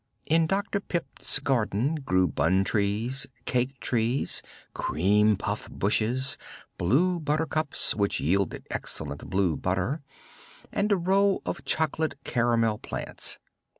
In Dr. Pipt's garden grew bun trees, cake trees, cream puff bushes, blue buttercups which yielded excellent blue butter and a row of chocolate caramel plants.